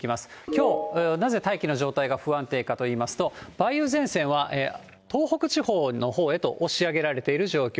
きょう、なぜ大気の状態が不安定化といいますと、梅雨前線は東北地方のほうへと押し上げられている状況。